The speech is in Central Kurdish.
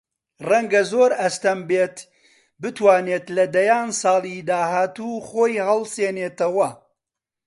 ڕەنگە زۆر ئەستەم بێت بتوانێت لە دەیان ساڵی داهاتوو خۆی هەڵسێنێتەوە